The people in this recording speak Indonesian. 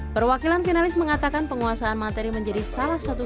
perwakilan finalis mengatakan penguasaan materi menjadi salah satu